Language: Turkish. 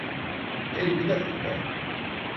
Hey, bir dakika.